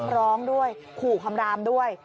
ร้องด้วยขู่คำรามด้วย